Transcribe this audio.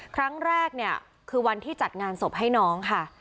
ครั้งแรกเนี่ยคือวันที่จัดงานศพให้น้องค่ะ